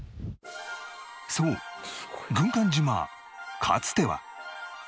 そう軍艦島かつては